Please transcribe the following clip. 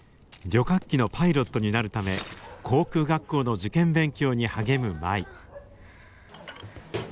旅客機のパイロットになるため航空学校の受験勉強に励む舞。